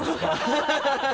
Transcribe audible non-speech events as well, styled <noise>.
ハハハ <laughs>